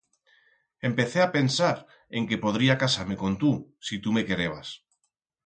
Empecé a pensar en que podría casar-me con tu, si tu me querebas.